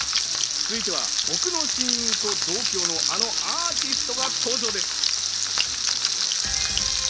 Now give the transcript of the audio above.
続いては、僕の親友と同郷のあのアーティストが登場です。